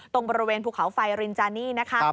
ตรงบริเวณภูเขาไฟรินจานี่นะคะ